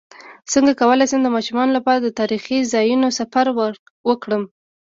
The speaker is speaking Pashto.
څنګه کولی شم د ماشومانو لپاره د تاریخي ځایونو سفر وکړم